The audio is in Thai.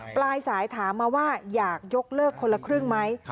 ปลายสายถามมาว่าอยากยกเลิกคนละครึ่งไหม